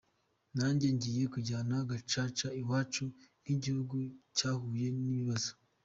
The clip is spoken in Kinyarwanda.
Nanjye ngiye kujyana Gacaca iwacu nk’igihugu cyahuye n’ibibazo".